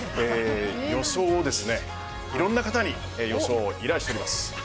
予想をいろんな方に依頼しています。